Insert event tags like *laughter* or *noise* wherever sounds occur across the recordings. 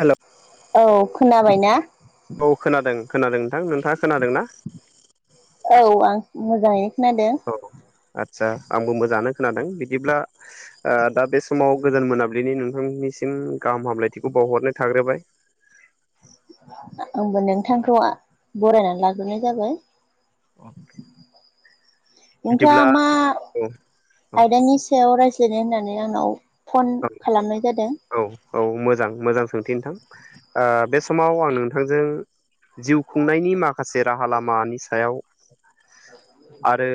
हेल' औ खोनाबाय ना? औ खोनादों खोनादों नोंथां नोंथाङा खोनादों ना? औ आं मोजाङैनो खोनादों। आतसा आंबो मोजाङानो खोनादों बिदिब्ला दा बे समाव गोजान मोनाबिलिनि नोंथांनिसिम गाहाम हामलायथिखौ बावहरनाय थाग्रोबाय। आंबो नोंथांखौ बरायनानै लाग्रोनाय जाबाय। नोंथाङ बिदिब्ला मा औ औ आयदानि सायाव रायज्लायनाय होननानै आंनाव फन खालामनाय जादों। औ औ मोजां मोजां सोंथि नोंथां बे समाव आं नोंथांजों जिउ खुंनायनि माखासे राहा लामानि सायाव आरो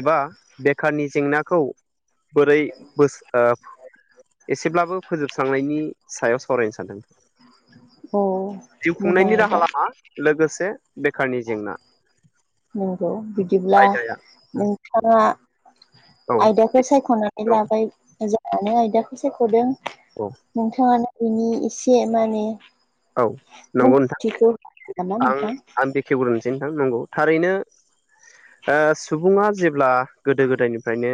एबा बेखारनि जेंनाखौ बोरै बोस ओ एसेब्लाबो फोजोबस्रांनायनि सायाव सावरायनो सानदों। औ जिउ मोजां खुंनायनि आयदा राहा लामा लोगोसे बेखारनि जेंना। नोंगौ बिदिब्ला आयदाया नोंथाङा औ आयदाखौ खौ सायख'नानै औ लाबाय मोजाङानो आयदाखौ सायख'दों अ नोंथाङानो बिनि एसे माने औ नंगौ नोंथां बुंथिखौ होगोन नामा आं नोंथां आं बेखेवग्रोनोसै नोंथां नंगौ थारैनो सुबुङा जेब्ला गोदो गोदायनिफ्रायनो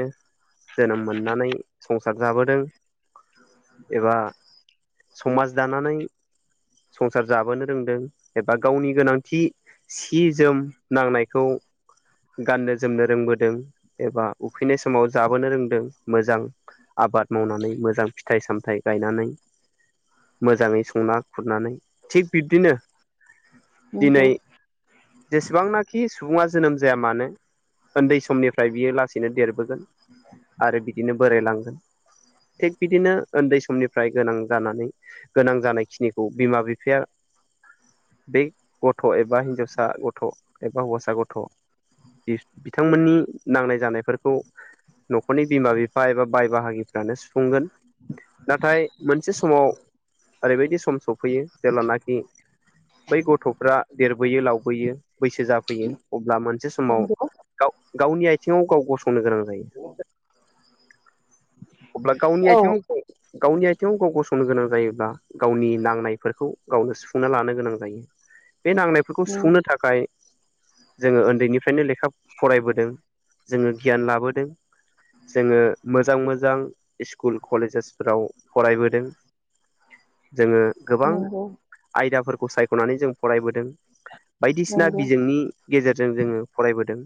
जोनोम मोननानै संसार जाबोदों एबा समाज दानानै संसार जाबोनो रोंदों एबा गावनि गोनांथि सि जोम नांनायखौ गाननो जोमनो रोंबोदों एबा उखैनाय समाव जाबोनो रोंदों मोजां आबाद मावनानै मोजां फिथाइ सामथाय गायनानै मोजाङै संना खुरनानै थिग बिब्दिनो नंगौ दिनै जेसेबांनाखि सुबुङा जोनोम जाया मानो उन्दै समनिफ्राय बियो लासैनो देरबोगोन *inaudible* आरो बिदिनो बोरायलांगोन थिग बिदिनो उन्दै समनिफ्राय गोनां जानानै गोनां जानायखिनिखौ बिमा बिफाया बे गथ' एबा हिन्जावसा गथ' एबा हौवासा गथ' बिथांमोननि नांनाय जानायफोरखौ न'खरनि बिमा बिफा एबा बाय बाहागि जानो सुफुंगोन नाथाय मोनसे समाव ओरैबायदि सम सफैयो जेब्लानाखि बै गथ'फ्रा देरबोयो लावबोयो बैसो जाफैयो अब्ला मोनसे समाव नंगौ गाव गावनि आथिङाव गाव गसंनो गोनां जायो अब्ला गावनि औ आथिङाव गावनि आथिङाव गाव गसंनो गोनां जायोब्ला गावनि नाङा नांनाय गावनो सुंफुंना लानो गोनां जायो बे नांनायफोरखौ नंगौ सुफुंनो थाखाय जोङो उन्दैनिफ्रायनो लेखा फरायबोदों जोङो गियान लाबोदों जोङो मोजां मोजां स्कुल कलेजेसफोराव फरायबोदों जोङो गोबां नंगौ आयदाफोरखौ सायख'नानै जों फरायबोदों बायदिसिना नंगौ बिजोंनि गेजेरजों जोङो फरायबोदों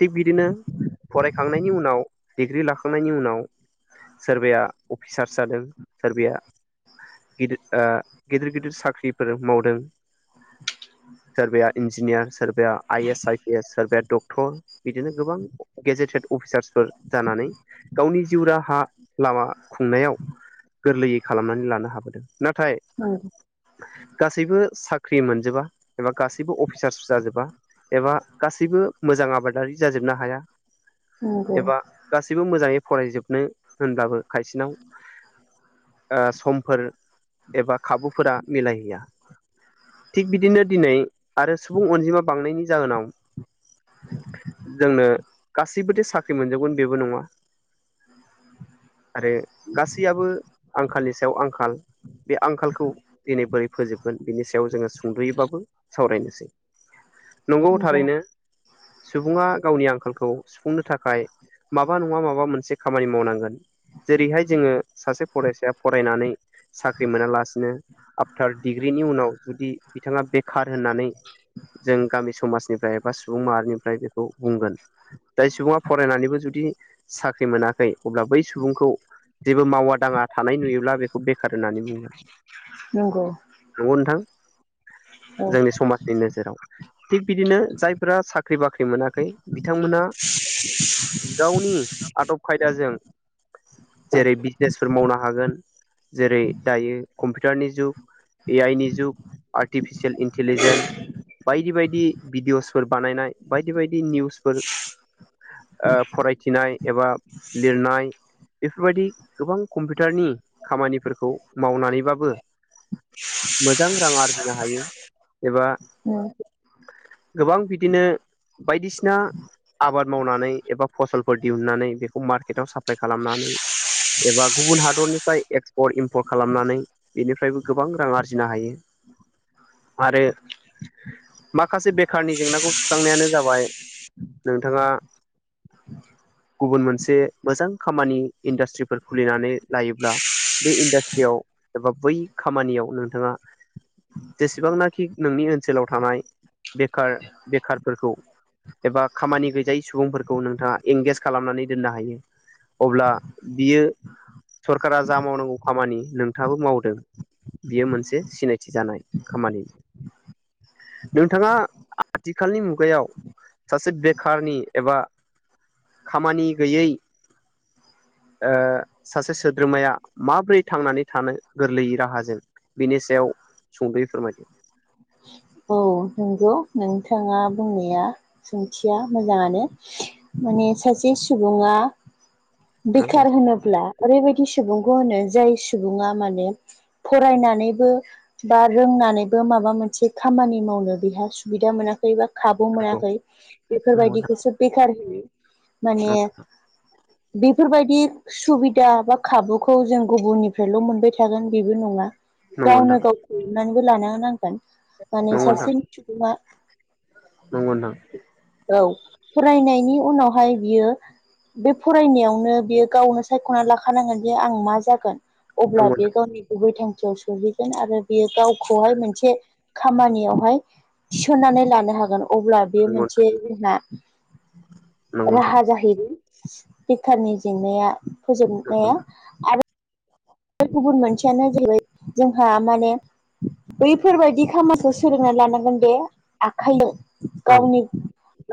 थिग बिदिनो फरायखांनायनि उनाव डिग्रि लाखांनायनि उनाव सोरबाया अफिसार्स जादों सोरबाया गिदिर गिदिर गिदिर साख्रिफोर मावदों सोरबाया इन्जिनियार सोरबाया I S I P S सोरबाया डक्ट डक्टर बिदिनो गोबां गेजेटेड अफिसार्सफोर जानानै गावनि जिउ राहा लामा खुंनायाव गोरलैयै खालामनानै लानो हाबोदों नाथाय उ गासैबो साख्रि मोनजोबा एबा गासैबो अफिसार्स जाजोबा एबा गासैबो मोजां आबादारि जाजोबनो हाया नंगौ एबा गासैबो मोजाङै फरायजोबनो होनब्लाबो खायसेनाव समफोर एबा खाबुफोरा मिलायहैया थिग बिदिनो दिनै आरो सुबुं अनजिमा बांनायनि जाहोनाव जोंनो गासैबोथ साख्रि मोनजोबगोन बेबो नङा आरो गासैयाबो आंखालनि सायाव आंखाल बे आंखालखौ दिनै बोरै फोजोबगोन बिनि याव जोङो सुंद'यैबाबो सावरायनोसै नंगौ थारैनो सुबुङा गावनि आंखालखौ सुफुंनो थाखाय माबा नङा माबा मोनसे खामानि मावनांगोन जेरैहाय जोङो सासे फरायसाया फरायनानै फाख्रि मोनालासिनो आफटार डिग्रिनि उनाव जुदि बिथाङा बेखार होननानै जों गामि समाजनिफ्राय एबा सुबुं माहारिनिफ्राय बेखौ बुंगोन जाय सुबुङा फरायनानैबो जुदि साख्रि मोनाखै अब्ला बै सुबुंखौ जेबो मावा दाङा थानाय नुयोब्ला बेखौ बेखार होननानै बुङो *inaudible* नंगौ नंगौ नोंथां औ जोंनि समाज नि नोजोराव थिग बिदिनो जायफोरा साख्रि बाख्रि मोनाखै बिथांमोना गावनि आदब खायदा जों जेरै बिजनेसफोर मावनो हागोन जेरै दायो कम्पिउटारनि जुग ए आइ नि जुग आर्टिफिसियेल इन्टिलिजेन्स बायदि बायदि भिडिअ'सफोर बानायनाय बायदि बायदि निउसफोर फरायथिनाय एबा लिरनाय बेफोरबायदि गोबां कम्पिउटारनि खामानिफोरखौ मावनानैबाबो मोजां रां आरजिनो हायो एबा औ गोबां बिदिनो बायदिसिना आबाद मावनानै एबा फसलफोर दिहुननानै बेखौ मार्केटाव साप्लााय खालामनानै एबा गुबुन हादरनिफ्राय एक्सपर्ट सफर खालामनानै बेनिफ्रायबो गोबां रां आरजिनो हायो आरो माखासे बेखारनि जेंनाखौ सुस्रांनायानो जाबाय नोंथाङा गुबुन मोनसे मोजां खामानि इन्डास्ट्रिफोर खुलिनानै लायोब्ला बे इन्डास्ट्रियाव एबा बै खामानियाव नोंथाङा जेसेबांनाखि नोंनि ओनसोलाव थानाय बेखार बेखारफोरखौ एबा खामानि गैजायै सुबुंफोरखौ नोंथाङा एंगेज खालामनानै दोननो हायो अब्ला बियो सरकारा जा मावनांगौ खामानि नोंथाबो मावदों बियो मोनसे सिनायथि जानाय खामानि नोंथाङा आथिखालनि मुगायाव सासे बेखारनि एबा खामानि गैयै सासे सोद्रोमाया माब्रै थांनानै थानो गोरलैयै राहाजों बेनि सायाव सुंद'यै फोरमायदि औ नंगौ नोंथाङा बुंनाया सोंथिया मोजाङानो माने सासे सुबुङा नंगौ बेखार होनोब्ला ओरैबायदि सुबुंखौ होनो जाय सुबुङा माने फरायनानैबो बा रोंनानैबो माबा मोनसे खामानि मावनो बेहा सुबिदा मोनाखै बा खाबु मोनाखै नोंथां बेफोरबायदिखौसो बेखार होयो माने बेफोरबायदि सुबिदा बा खाबुखौ जों गुबुननिफ्रायल' मोनबाय थागोन बेबो नङा नंगौ नोंथां गावनो गाव हनानैबो लानो नांगोन माने नंगौ नोंथां सावस्रिनि सुबङा नंगौ औ फरायनायनि उनावहाय बियो बे फरायनायावनो बियो गावनो सायख'ना लाखानांगोनदि आं मा जागोन अब्ला नोंथां बेयो गावनि गुबै थांखियाव सहैगोन आरो बेयो गावखौहाय मोनसे खामानियावहाय थिसननानै लानो हागोन अब्ला बेयो नंगौ मोनसे जोंना नोंथां राहा जाहैदों बेखारनि जेंनाया नंगौ फोजोबनाया बे गुबुन मोनसेयानो जेरै जोंहा माने बैफोरबायदि खामानिखौ सोलोंना लानांगोन दे आखायाव गावनि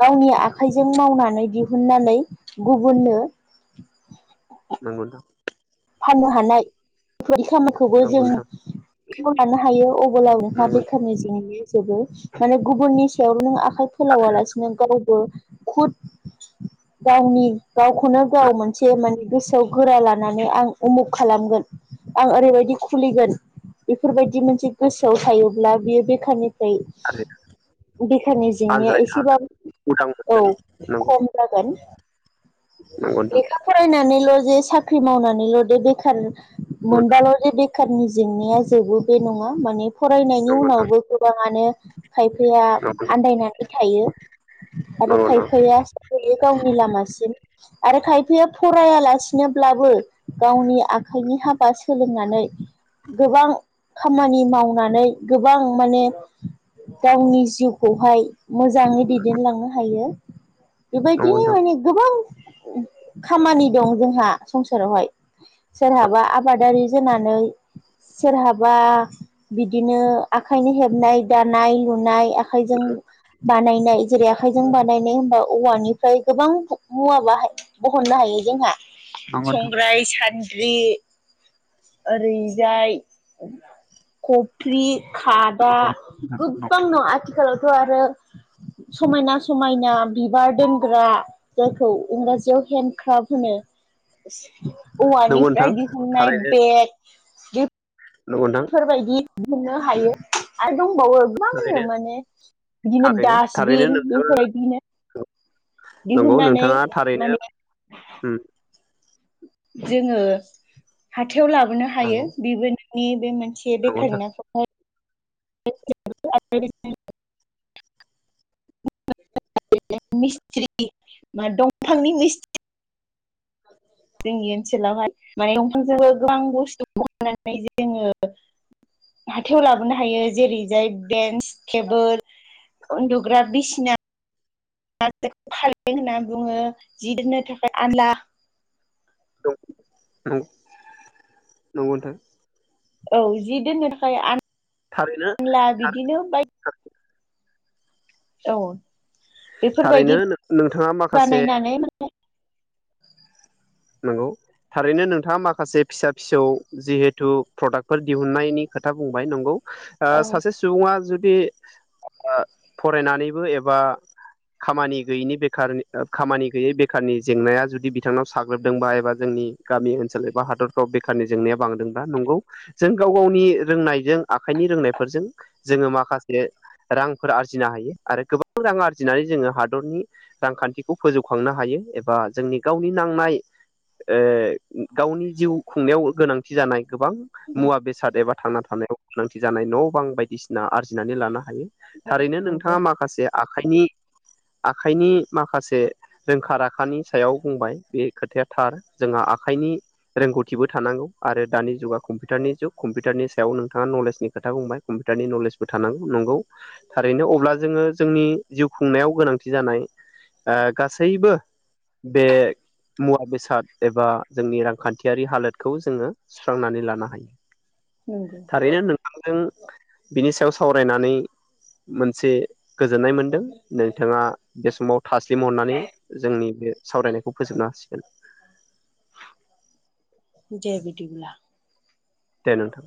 गावनि आखाइजों मावनानै दिहुननानै गुबुननो नंगौ दां फाननो हानाय बेफोरदि खामानिखौबो नंगौ जों लानो हायो नोंहा बेखारनि जेंनायया जबो माने गुबुननि सायावनो नों आखाय नोंथां फोलावालासिनो गावबो खुद गावनि गावखौनो गाव नंगौ मोनसे माने गोसोआव गोरा लानानै आं उमुख खालामगोन आं ओरैबायदि खुलिगोन बेफोरबायदि मोनसे गोसोआव थायोब्ला बियो बेखारनि दैै बेखारनि जेंनाया आनज्रायनो हागोन एसेबां उदां औ मोनगोन खम जागोन नंगौ नोंथां लेखा फरायनानैल' जे साख्रि मावनानैल' दे बेखार मोनबाल' बेखारनि जेंनाया जोबो बे नङा माने फरायनायनि नंगौ नोंथां उनावबो गोबाङानो खायफाया नंगौ आन्दायनानै थायो आरो नंगौ नोंथां खायफाया गैयो गावनि लामासिम आरो खायफाया फरायालासिनोब्लाबो गावनि आखाइनि हाबा सोलोंनानै गोबां खामानि मावनानै गोबां माने गावनि जिउखौहाय मोजाङै दैदेनलांनो हायो नंगौ बेबायदिनो नोंथां माने गोबां खामानि दं जोंहा संसारावहाय सोरहाबा आबादारि जानानै सोरहाबा बिदिनो आखाइनि हेबनाय दानाय लुनाय आखायजों बानायनाय जेरै आखाइजों बानायनाय होमबा औवानिफ्राय गोबां मुवा बाहाय बहननो हायो जोंहा नंगौ नोंथां संम्राइ सान्द्रि ओरैजाय कफ्रि खादा गोबां दङ आथिखालावथ' आरो समायना समायना बिबार दोनग्रा जायखौ इंराजियाव हेन्दड क्राफ्ट होनो नंगौ औवानिफ्राय नोंथां दिहुननाय थारैनो बेग नंगौ नोंथां बेफोरबायदि मोननो हायो आरो दंबावो गोबांनो थारैनो माने बिदिनो थारैनो थारैनो दासबिन नोंथाङा बेफोरबायदिनो नंगौ दिहुननानै नोंथाङा थारैनो माने उम जोङो हाथायाव लाबोनो हायो नंगौ बिबो नोंनि बे मोनसे नंगौ बेखार नाखौ *unintelligible* मिस्ट्रि मा दंफांनि मिस्ट्रि जोंनि ओनसोलावहाय माने दंफांजोंबो गोबां बुस्थु बनायनानै जोङो हाथायाव लाबोनो हायो जेरै जाय बेन्स टेबोल उन्दुग्रा बिसिना फारें होननानै बुङो जि दोननो थाखाय आलना *unintelligible* नंगौ नोंथां औ जि दोननो थाखाय आ थारैनो लना बिदिनो बाय औ थारैनो बेफोरबायदि नोंथाङा माखासे बानायनानै माने नंगौ थारैनो नोंथाङा माखासे फिसा फिसौ जिहेथु प्रडाक्ट फोर दिहुननायनि खोथा बुंबाय नंगौ औ सासे सुबुङा जुदि ओ फरायनानैबो एबा खामानि गैयैनि बेखार खामानि गैयै बेखारनि जेंनाया जुदि बिथांनाव साग्लोबदोंबा एबा जोंनि गामि ओनसोल एबा हादरफ्राव बेखारनि जेंनाया बांदोंबा नंगौ जों गाव गावनि रोंनायजों आखाइनि रोंनायफोरजों जोङो माखासे रांफोर आरजिनो हायो आरो गोबां रां आरजिनानै जोङो हादरनि रांखान्थिखौ फोजौखांनो हायो एबा जोंनि गावनि नांनाय गावनि जिउ खुंनायाव गोनांथि थि जानाय गोबां नंगौ मुवा बेसाद एबा थांना थानायाव सांग्रांथि जानाय न' बां बायदिसिना आरजिनानै लानो हायो थारैनो नंगौ नोंथाङा माखासे आखाइनि आखाइनि माखासे रोंखा राखानि सायाव बुंबाय बे खोथाया थार जोंहा आखाइनि रोंगौथिबो थानांगौ आरो दानि जुगा कम्पिउटारनि जुग कम्पिउारनि सायाव नोंथाङा नलेजनि खोथा बुंबाय कम्पिउटारनि नलेजबो थानांगौ नंगौ थारैनो अब्ला जोङो जोंनि जिउ खुंनायाव गोनांथि जानाय गासैबो बे मुवा बेसाद एबा जोंनि रांखान्थियारि हालोदखौ जोङो सुस्रांनानै लानो हायो नंगौ थारैनो नोंथांजों बिनि सायाव सावरायनानै मोनसे गोजोननाय मोनदों नोंथाङा बे समाव थास्लिम हरनानै जोंनि बे सावरायनायखौ फोजोबनो हासिगोन। दे बिदिब्ला दे नोंथां।